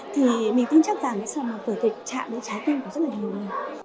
thì mình tin chắc rằng là vở kịch trạm đến trái tim của rất là nhiều người